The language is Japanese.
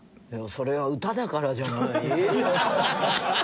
それは歌だからじゃない？